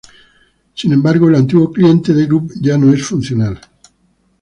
Sin embargo, el antiguo cliente de Grub ya no es funcional.